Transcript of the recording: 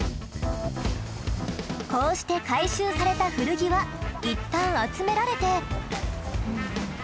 こうして回収された古着はいったん集められて。